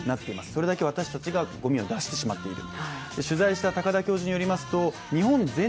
それだけ私たちはごみを出してしまっている。